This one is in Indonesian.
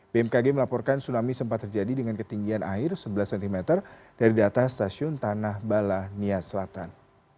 bmkg melaporkan tsunami sempat terjadi dengan ketinggian air sebelas cm dari data stasiun tanah balania selatan